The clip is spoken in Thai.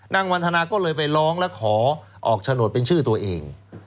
วันทนาก็เลยไปร้องและขอออกโฉนดเป็นชื่อตัวเอง